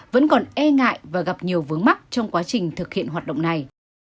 vẫn còn e ngại và gặp nhiều vướng mắt trong quá trình thực hiện hoạt động này